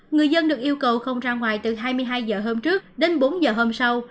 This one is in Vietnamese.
người dân được yêu cầu không ra ngoài từ hai mươi hai h hôm trước đến bốn h hôm sau